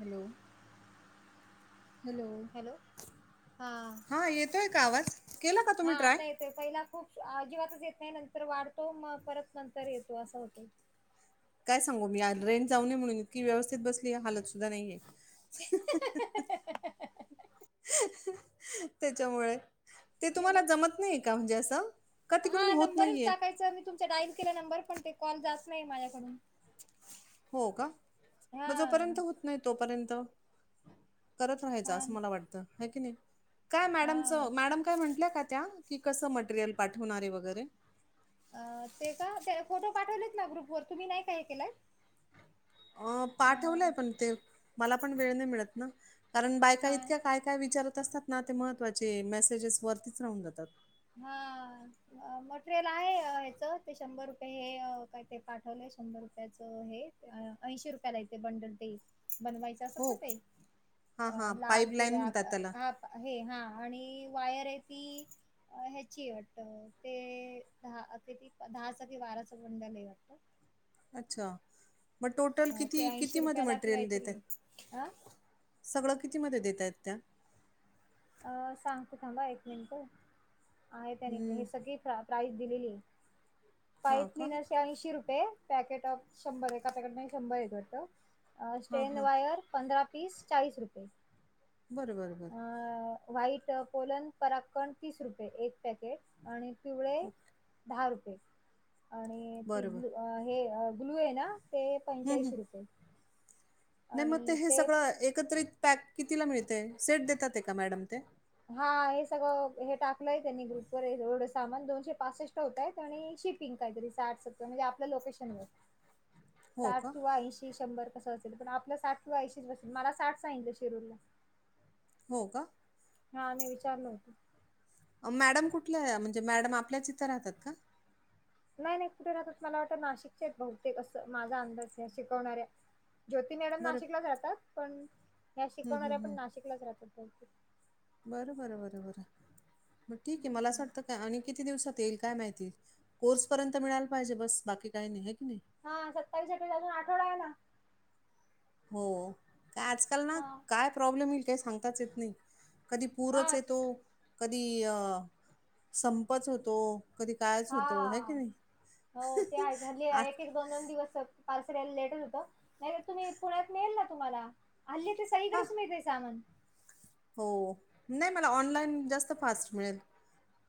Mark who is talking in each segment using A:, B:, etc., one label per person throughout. A: Hello hello
B: हा
A: हा येतोय का आवाज केला का
B: हा
A: तुम्ही ट्राय
B: आता पहिला खूप अजिबातच येत नाही नंतर वाढतो मग परत नंतर येतो असं होत
A: काय सांगू मी रेट जाऊ ने म्हणून इतकी व्यवस्थित बसली हलत सुद्धा नाहीे त्याच्यामुळे ते तुम्हाला जमत नाही का म्हणजे असं का
B: हा
A: तिकडून होत
B: नंबरच
A: नाहीये
B: टाकायचा म तुमचा डाईल केला नंबर पण ते कॉल जात नाही माझ्याकडून
A: हो का
B: हा
A: म जोपर्यंत होत नाही तोपर्यंत करत राहायचं
B: हा
A: असं मला वाटतं की नाही काय मॅडमच
B: हा
A: मॅडम काय म्हंटल्या का त्या की कसं मटेरियल पाठवणारे वगैरे
B: अ ते का त्याल फोटो पाठवलेत ना ग्रुप वर तुम्ही नाही काय काय केलय.
A: अं पाठवलंय पण ते मला पण वेळ नाही मिळत ना. कारण
B: हा
A: बायकाइतक्या काय काय विचारत असतात ना ते महत्वाचे मेसेजेस वरतीच राहून जातात.
B: हां. अ मटेरियल आहे ह्याच ते शंभर रुपये हे काय ते पाठवलंय शंभर रुपयाच हे अ ऐशी रुपयाला एक ते बंडल ते बनवाय. ते
A: हो.
B: असतात ना ते
A: हां,
B: अ
A: हां.
B: लाल
A: पाईपलाईन
B: पिवळ्या
A: म्हणतात
B: अ
A: त्याला.
B: हां हे हां आणि वायर आहे ती अ, ह्याची वाटत ते दहा किती दहाच कि बाराच बंडाल ले वाटत.
A: अच्छा मग टोटल
B: अ, ते
A: किती किती मध्ये
B: रुपयाला की
A: मटेरियल देत
B: काहीतरी
A: आहे.
B: अ,
A: सगळं किती मध्ये देतायत त्या?
B: अ सांगतो थांबा एक नेमकं आहे त्या निम हे
A: हं.
B: सगळे [unintelligible] फाप प्राइस दिलेली आये
A: हां
B: पाईप
A: का?
B: क्लिनर्स चे ऐंशी रुपये. पॅकेट ऑफ शंभर एका पॅकेट म शंभर येत वाटत
A: हां,
B: स्टेन
A: हां.
B: वायर. पंधरा पीस चाळीस रुपये.
A: बर बर बर.
B: अ व्हाईट पोलन पराकण तीस रुपये एक पॅकेट आणि पिवळे
A: ओके.
B: धा रुपये आणि ती
A: बरं, बरं.
B: ब्लू अ हे अ ब्लू आहे ना ते
A: हं, हं.
B: पंचाऐंशी रुपये.
A: नाही मग ते
B: आणि
A: हे
B: टेप
A: सगळं एकत्रित पॅक कितीला मिळतय सेट देतात ते का मॅडम ते?
B: हां हे सगळं हे टाकलंय त्यांनी ग्रुप वर एवढं सामान दोनशे पासष्ट होतायत आणि शिपिंग काहीतरी साठ सत्त म्हणजे आपल्या लोकेशन वर.
A: हो
B: साठ
A: का?
B: किंवा ऐंशी शंभर कसं असेल पण आपलं साठ किंवा ऐंशीच बस मला साठ सांगितलं शिरूरला.
A: हो का?
B: हा मी विचारलं होत.
A: मॅडम कुठल्या आहे म्हणजे मॅडम आपल्याच इथं राहतात का?
B: नाही नाही कुठे राहतात मला वाटतं नाशिकच्याऐत बहुतेक असं माझा अंदाज शिकवणाऱ्या. ज्योती मॅडम
A: बरं.
B: नाशिकलाच राहतात. पण ह्या
A: हं, हं,
B: शिकवणाऱ्या पण
A: हं.
B: नाशिकलाच राहतात.
A: बरं बरं बरं बरं म ठिक आहे मला असं वाटतं का आणि किती दिवसात येईल काय माहिती. कोर्स पर्यंत मिळाल पाहिजे बस बाकी काही नाही हाय की नई.
B: हां सत्तावीस आठ अजून आठवडा आहे ना.
A: हो काय आजकाल ना
B: हा
A: काय प्रॉब्लेम येईल काही सांगताच येत नाही. कधी
B: हा
A: पूरच येतो. कधी अ संपच होतो. कधी काळच
B: हा
A: होत हाय की नाही.
B: हो ते आहे झाली एक एक दोन दोन दिवस पार्सल यायला लेट होत नाही त तुम्ही पुण्यात मिळेल ना तुम्हाला. हल्ली ते
A: हा
B: सगळीकडेच मिळतय सामन.
A: हो नाही पण ऑनलाईन जास्त फास्ट मिळेल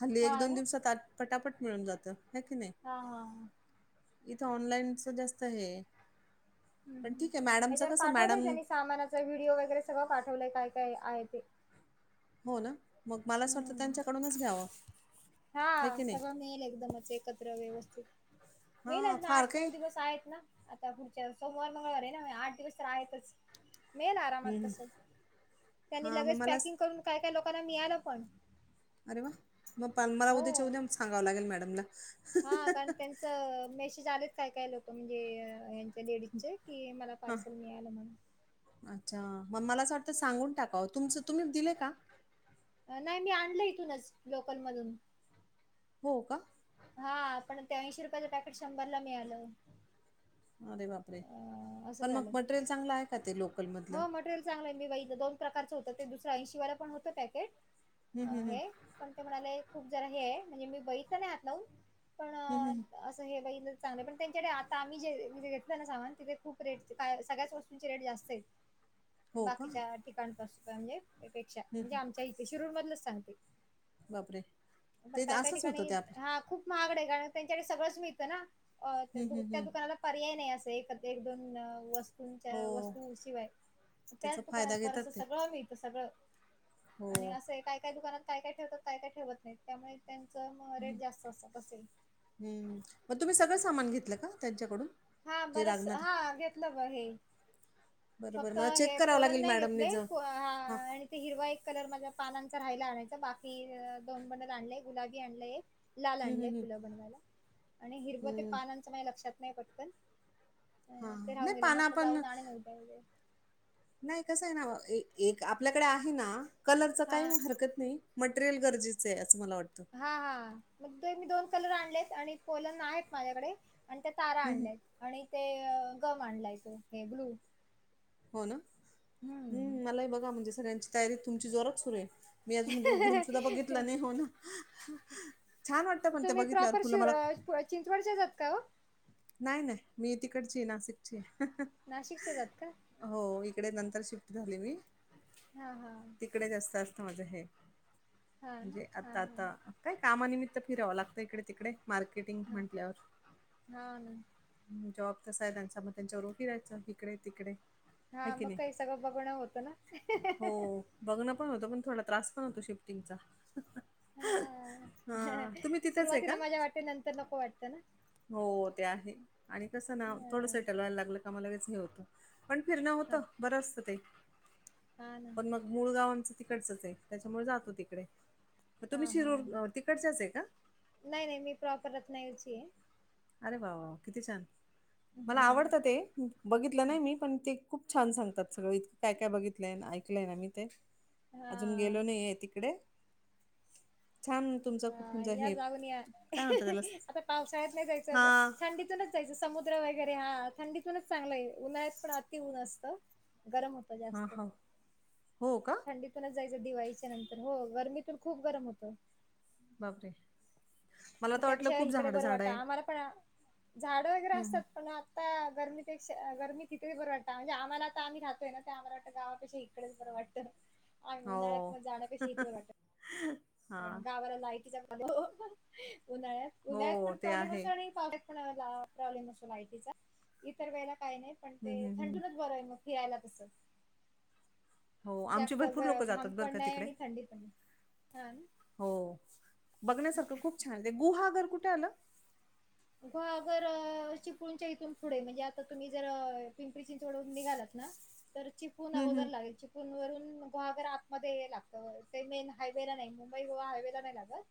A: हल्ली एक
B: हा
A: दोन
B: ना
A: दिवसात आ पटापट मिळून जात हाय की नाई.
B: हा हा हा.
A: इथं ऑनलाईनच जास्त हे ए
B: हम्म
A: पण
B: हम्म.
A: ठीक आहे मॅडमच
B: ह्याच्यावर
A: कस
B: पाठवलंय
A: मॅडम
B: त्यांनी सामानाचा व्हिडिओ वगैरे सगळं पाठवलंय काय काय आहे ते.
A: हो ना मग मला असं वाटतं
B: हम्म
A: त्यांच्याकडूनच घ्यावं.
B: हा
A: आहे की नाही?
B: सगळं मिळेल एकदमच एकत्र व्यवस्थित. मिळणार
A: हां,
B: ना
A: फार
B: आठ
A: काही
B: नऊ दिवस आहेत ना आता पुढच्या सोमवार मंगळवार आहे ना आठ दिवस तर आहेतच. मिळेल
A: हं,
B: आरामात
A: हं.
B: तस त्यांनी
A: हां, मग
B: लगेच
A: मला स-
B: पॅकिंग करून काय काय लोकांना मिळाल. पण.
A: अरे वा मग पाल मला उद्याच्या
B: हो
A: उद्या सांगावं लागेल मॅडमला.
B: हा कारण त्यांचं मेसेज आलेत काय काय लोक म्हणजे अ यान त्या लेडीच की मला
A: हां,
B: पार्सल मिळालं म्हणून.
A: अच्छा म मला असं वाटतं सांगून टाकाव तुमच तुम्ही दिले का?
B: नाही मी आणलं इथूनच लोकल मधून.
A: हो का
B: हा पण ते ऐंशी रुपयाचं पॅकेट शंभर ला मिळालं
A: अरे बापरे
B: अ असं
A: पण मग
B: झालं
A: मटेरियल चांगलं आहे का ते लोकल मधलं
B: चांगलंय मी दोन प्रकारच होत ते दुसरं ऐंशीवाला पण होत पॅकेट
A: हं, हं, हं.
B: हे पण ते म्हणाले खूप जरा हे आहे म्हणजे मी पैसे नाही आणलोव पण
A: हम्
B: अ,
A: हम
B: असं हे बही चांगलं पण त्यांच्याकडे आता आम्ही जे सांग तिथे खूप रेट सगळ्याच वस्तूची रेट जास्त आहे
A: हो का?
B: बाकीच्या ठिकाणपास म्हणजेपेक्षा
A: हं,
B: म्हणजे
A: हं.
B: आमच्या इथे शिरूर मधलंच सांगते
A: बापरे!
B: पण
A: ते
B: काय काय
A: असंच होतं
B: ठिकाणी
A: ते आपलं.
B: हा खूप माहागडे कारण त्यांच्याकडे सगळंच मिळत ना
A: हं, हं,
B: त्या
A: हं.
B: दुकानाला पर्याय नाही अस एक एक दोन वस्त
A: हो.
B: वस्तूंच्या वस्तू शिवाय त्याच
A: त्याचा
B: दुकानात
A: फायदा घेतात
B: बरस
A: ते.
B: सगळं मिळत सगळं आणि
A: हो.
B: असं आहे काय काय दुकानात काय काय ठेवतात काय काय ठेवत नाही त्यामुळे त्यांचं मग रेट जास्त असतात असंही
A: हम्म मग तुम्ही सगळं सामान घेतलं का त्यांच्याकडून
B: हा
A: जे
B: बरंच
A: लागणार
B: हा घेतलं ब हे
A: बरोबर
B: फक्त
A: मला चेक
B: हे
A: करावं
B: पोलन
A: लागेल
B: नाही
A: मॅडमने
B: घेतले
A: ज हां
B: आणि हिरवा एक कलर माझ्या पानांचा राहियला आणायच बाकी दोन बंडल आणले गुलाबी आणले एक लाल
A: हं, हं,
B: आणलंय
A: हं,
B: फुलं बनवायला आणि हिरवं ते
A: हं.
B: पानांचं मा लक्षात नाही पटतन अ ते
A: हां
B: राहून
A: नाही
B: गेले
A: पानं
B: म्हटलं
A: आपण
B: जाऊन आण नव्हते्या इे
A: नाही कसं आहे ना एक आपल्याकडे आहे ना कलरच
B: हा
A: काही हरकत नाही मटेरियल गरजेचं आहे असं मला वाटतं
B: हा हा मग ते मी दोन कलर आणलेत आणि पोलंद आहेत माझ्याकडे आणि त्या तारा
A: हं, हं.
B: आणल्याय आणि ते गम आणलाय तो हे ग्लू
A: हो ना
B: हम्म
A: हम् मलाही बघा म्हणजे सगळ्यांची तयारी तुमची जोरात सुरू आहे मी अजून उघडून सुद्धा बघितला नाही हो ना छान वाटतं पण ते बघितल्यावर फुलं मला
B: चिंचवडच्या जात का हो
A: नाही नाही मी तिकडची नाशिकची
B: नाशिकच्याच आहात का
A: हो इकडे नंतर शिफ्ट झाले मी
B: हा हा
A: तिकडे जास्त असतं माझं हे
B: हा ना
A: म्हणजे
B: हा
A: आता
B: हा
A: आता काय कामानिमित्त फिरावं लागतं इकडे तिकडे मार्केटिंग म्हंटल्यावर
B: ह ना
A: जॉब तसा आहे त्यांचा मग त्यांच्यावर फिराहायचा इिकडे तिकडे आहे
B: हा
A: की
B: मग
A: नाही
B: काही सगळं बघणं होतं ना
A: हो बघणं पण होतं पण थोडा त्रास पण होतो शिफ्टिंगचा
B: हा
A: तुम्ही तिथेच आहे का
B: सुरुवातीला माझ्या वाटे नंतर नको वाटतं ना
A: हो ते आहे आणि कसं ना थोडंसं
B: हा
A: टलवायला लागलं का मला लगेच हे होतं पण फिरणं होत
B: हा
A: बरं असतं ते
B: हा ना
A: प मग मूळ गावांचं तिकडचच आहे त्याच्यामुळे जातो तिकडे मग
B: हा
A: तुम्ही
B: हा
A: शिरूर तिकडच्याच आहे का
B: नाही नाही मी प्रॉपर रत नाही याची आहे
A: अरे भाऊ किती छान मला आवडतं ते बघितलं नाही मी पण ते खूप छान सांगतात सगळं इतकं काय काय बघितलंय ऐकलंय आम मही ते अजून गेलो
B: हा
A: नाही आहे तिकडे छान तुमचा
B: हा
A: कुकंचा
B: या
A: हे
B: जाऊन या
A: काय म्हणत त्याला
B: आता पावसाळ्यात नाही
A: हा
B: जायचं थंडीत समुद्र वगैरे हा थंडीत पणच चांग आहे उन्हाळत पण अति ऊन असतं गरम हो
A: हा हा हो का.
B: थडीतूनच जायचं दिवाळीच्या नंतर हो गरमीतून खूप गरम होत.
A: बापरे. मला
B: मग
A: तर वाटलं
B: त्यापेक्षा
A: खूप
B: इकडे
A: झाडं
B: बरं
A: झाड
B: वाटत
A: आहे.
B: आम्हाला पण झाडं वगैरे असतात पण.
A: ह [inaudible]
B: गर्मीपेक्ष गर्मी तिच बरं वातं म्हजे आम्हाला आम्ही राहतोय ना ते आमला वाटं गवापेक्षा इकडेच बरं वाटतं.
A: [inaudible]
B: ह मनाळ
A: हो.
B: मज जा [unintelligible] शेतीट
A: [inaudible]
B: गावाला जायचं [unintelligible] उन्हाळ्यात उन्हा्यात
A: हो
B: पण
A: ते
B: प्रॉब्लेम
A: आहे
B: असो आणि पा प्रॉब्लेम [unintelligible] असो लाटचा इतर वेळेला काही नाही पण
A: हम्म
B: ते
A: हम्म हम्म.
B: थंडूनच बर आहे मग फिरायला तसं.
A: हो आमचे
B: जास्त
A: भरपूर
B: घा
A: लोक जातात
B: घाम
A: बरं
B: पण
A: का
B: नाही
A: तिकडे
B: आणि थंडी पण हा.
A: हो बघण्यासारखं खूप छान ते गुहागर कुठे आलं.
B: गुहागर. त चिपळूच्या इथून पुढे म्हणजे आता तुम्ही जर अ पिंपरी चिंचवडून निघालात ना तर चीप खन वगैर लागायची [unintelligible]
A: ह [inaudible]
B: तिथून गुहागर आत मध्ये लागत ते मेन हायवेला नाही मुंबई गोवा हायवे ला नाही लागत.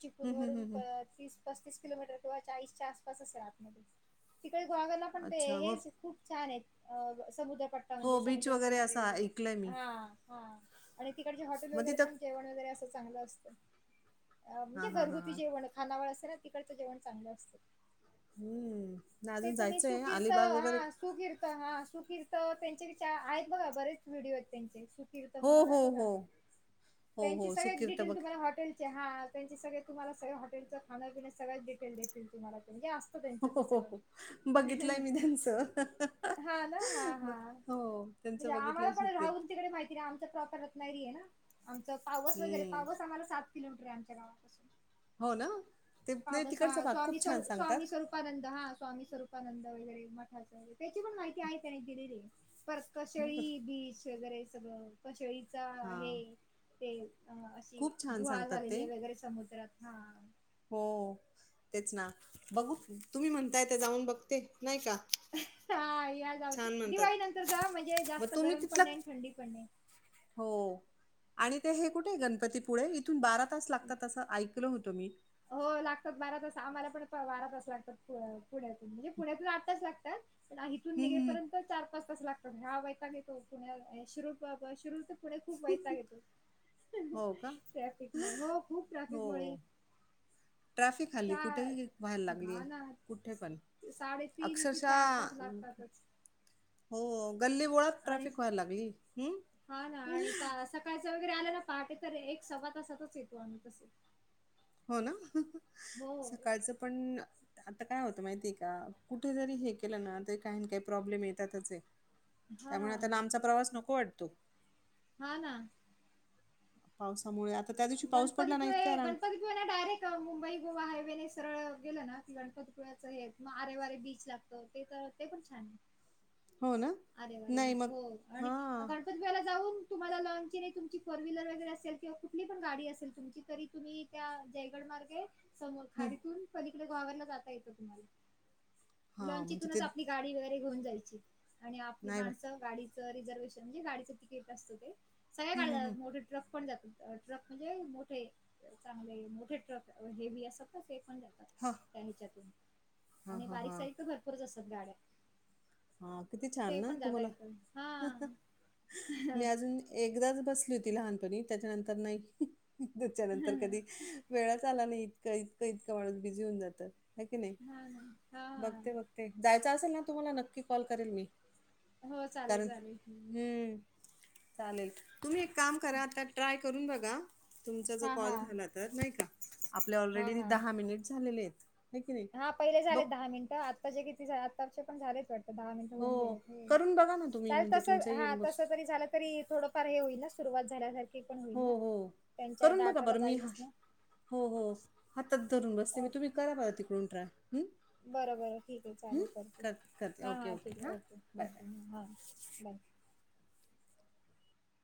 B: चिपळूण
A: हम्म हम्म
B: वरून
A: हम्म
B: प
A: हम्म.
B: तीस पस्तीस किलोमीटर ध्वज. चाळीसच्या आसपास असे आतमध्ये तिकडे गुहागरला पण ते
A: अच्छा मग
B: हेच. खूप छान आहेत अ समुद्रपट्टा
A: हो
B: म्हणजे
A: बीच वगैरे
B: समुद्रकिनारे
A: असं
B: वगैरे
A: ऐकलंय मी
B: हा हा. आणि तिकडचे हॉटेल
A: मग
B: वगैरे
A: तिथं
B: पण जेवण वगैरे अस चांगलं असतं अ म्हणजे
A: हां हां हां
B: घरगुती
A: हां
B: जेवणच. खानावळ असेल तिकडचं जेवण चांगलं असते.
A: हम्म नाही
B: ते
A: अजून
B: तुम्ही
A: जायचं आहे
B: सुकीर्त
A: अलिबाग
B: हा
A: वगैरे
B: असे. सुकीीर्त हा सुकीीर्त त्यांचे विचार आहेत बघा बरेच व्हिडिओ आहेत त्यांचे सु किर्त
A: हो हो
B: आहे बघा
A: हो हो
B: त्यांची
A: हो
B: सग
A: सुकिर्त
B: डिटे
A: बघ
B: तुम्हा हॉटेल. ते हा त्यां सगळे तुम्हा सगळ हॉटेचं खाण्यापिण्या सग्याच डिटेल देतील तुम्हाला म्हणजे. त्यांच
A: हो
B: ते
A: हो
B: सगळं
A: हो बघितलंय मी त्यांचं
B: हा ना हा हा.
A: ब- हो त्यांचं
B: म्हणजे आम्हाला
A: बघितलंय
B: पण
A: सुकिर्त
B: राहून तिकडे माहिती नाहीे आमचा प्रॉपर. नाहीये ना आमच पावस वगैरे
A: हम्म
B: पावस आम्हाला सात किलोमीटर आहे आमच्या गावापासून.
A: हो ना ते नाही तिकटचं भाघ खूप छान सांगतात.
B: रूपानंद हा स्वामी स्वरूपानंद वगैरे मठाचे त्याची पण माहिती आहे त्यानी दिलेली. पतर कशळी बीच वगैरे सगळं कशळीचा आहे
A: हां
B: ते. अ अशी
A: खूप छान
B: गुहा
A: सांगतात ते
B: झालेली वगैरे समुद्रात हा.
A: हो तेच ना बघू तुम्ही म्हणताय ते जाऊन बघते नाही का.
B: हा या जावत
A: छान
B: दिवाळी
A: म्हणतात
B: नंतर जा म्हणजे
A: मग
B: जास्त
A: तुम्ही
B: गरम
A: तिथला
B: पण नाही आणि थंडी पण नाही.
A: हो आणि ते हे कुठे गणपतीपुळे इथून बारा तास लागतात असं ऐक लं होतं मी.
B: हो लागतात बारा तास आम्हाला पण बारा तास लागतात पुण्यातून म्हणजे पुण्यातून आठ तास लागतात. पण इथून
A: हम्म हम्म
B: निघेपर्यंत चार पाच पाच लागतात ह्या वैताग येतो पुण्या शररू प प शिरूर पण. पुढ खूप वैताग येतो
A: हो का
B: ट्रॅफिकमुळे हो खूप
A: हो
B: ट्रॅफिकमुळे.
A: ट्रॅफिक हल्ली
B: चार
A: कुठेही व्हायला लागली
B: हा
A: आहे
B: ना
A: कुठे पण.
B: साडेतीन ते चार
A: अक्षरशः
B: तास लागतातच
A: हो गल्ली गोळात
B: आणि
A: ट्रॅफिक व्हायला लागली हम्.
B: हा ना आणि सकाळच वगैरे आल्या ना पहाटे तर एक सव्वा तासातच येतो आम्ही तस.
A: हो ना
B: हो
A: सकाळचं पण. आता काय होतं माहितीय आहे का कुठे जरी हे केलं ना तरी काही काही प्रॉब्लेम येतातच हाय.
B: हा
A: त्यामुळे आता लांबचा प्रवास नको वाटतो.
B: हा ना.
A: पावसामुळे आता त्या दिवशी पाऊस पडला नाहीत
B: गणपतीपुळे
A: काय रांग..
B: गणपतीपुळे ना डायरेक्ट मुंबई गोवा हायवेने सरळ गेलं ना गणपतपुळ्याच हे मग आरेवारे बीच लागत. ते तर ते पण छान आहे.
A: हो ना नाही मग हा
B: तुमला लॉन्चीने तुमची फोर व्हीलरगर असेल किंवाुठली पण गाडी असेल तुम तरी तुम्ही.. त्या जयगड मार्ग आहे. समोर
A: हं.
B: खाडीतून पलीकडे गवला जाता येतं तुम्हाला
A: हां,
B: लंच
A: म्हणजे
B: इथूनच
A: ते
B: आपली. गाडी वगैरे घेऊन जायची आणि आपली
A: नाही बा-
B: माणसं गाडी. रिझर्शन म्हणजे गाडीचं तिकीट असतं ते सगळ्या
A: हं, हं, हं.
B: गाात मोठे ट्रक पण जातो. ट्रक म्हणजे मोठे चांगले मोठे ट्रक हेवी असत ना ते पण जातात.
A: हा.
B: त्या हिच्यातून आणि बारीक साइड तर भरपूरच असत गाड्या
A: हा किती छान
B: ते
A: ना
B: पण जाता
A: तुम्हाला
B: येतं हां.
A: मी अजून एकदाच बसली होती लहानपणी त्याच्यानंतर नाही त्याच्यानंतर कधी वेळाच आला नाही इतकं इतकं इतका माणस बिझी होऊन जातं नाही की नाही
B: हा ना हा
A: बघते बघ. ते जायचं असेल ना तुम्हाला नक्की कॉल करेल मी
B: हो चालेल
A: कारण.
B: चालेल.
A: हम्म चालेल तुम्ही एक काम करा आता ट्राय करून बघा. तुमचा ज
B: हा हा
A: कॉल झाला तर नाही का आपल्या
B: हा
A: ऑलरेडी
B: हा
A: दहा मिनिट झालेले आहेत. हाय की नाही
B: हा पहिले
A: बघ
B: झालेत दहा मिनिटं आत्ताचे किती आत्ताचे पण झालेच. दहा मिनिट होऊन
A: हो
B: गेले
A: करून बघा ना तुम्ही
B: चाल
A: म्हणजे
B: तस हा तस
A: तुमचंही
B: तरील. तरी थोडंफार हे होईल ना सुरुवात झाल्यासारखी पण
A: हो
B: होईल ना
A: हो
B: त्यांच्या
A: करून बघा
B: डाटाला
A: बरं मी हा
B: जाईलच ना.
A: हो हो हातात धरून बसते मी तुम्ही करा ब तिकडून ट्राय हं?
B: बरं बरं ठीक आहे
A: हं?
B: चालेल करते
A: कर करते
B: हां
A: ओके
B: हां ठीक आहे ओके
A: बाय
B: ओके
A: बाय
B: हां बाय